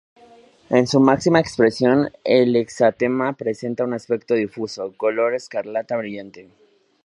En su máxima expresión el exantema presenta un aspecto difuso, color escarlata brillante.